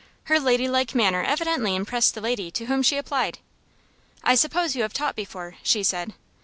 Her ladylike manner evidently impressed the lady to whom she applied. "I suppose you have taught before?" she said.